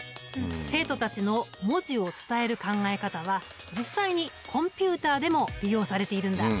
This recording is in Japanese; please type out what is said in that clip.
生徒たちの文字を伝える考え方は実際にコンピュータでも利用されているんだ。